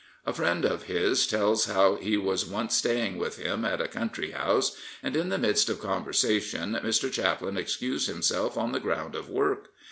A friend of his tells how he was once staying with him at a country house, and in the midst of conversation Mr. Chaplin excused him self on the ground of work.